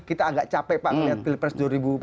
kita agak capek pak melihat pilpres dua ribu empat belas